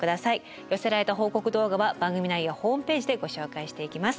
寄せられた報告動画は番組内やホームページでご紹介していきます。